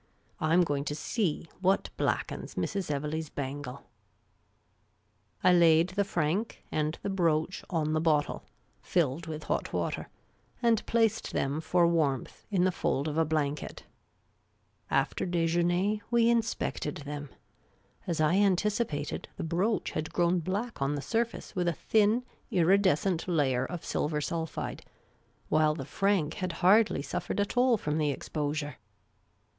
I 'm going to see what blackens Mrs. Evelegh's bangle." I laid the franc and the brooch on the bottle, filled with I lo Miss Caylcy's Adventures hot water, and placed them for warmth in the fold of a blanket. After dSjc finer, we inspected them. As I antici pated, the brooch had grown black on the surface with a thin iridescent layer of silver sulphide, while the franc had hardly suffered at all from the exposure.